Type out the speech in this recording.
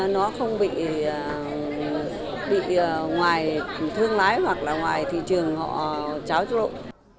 nó không bị ngoài thương lái hoặc là ngoài thị trường họ cháo trộn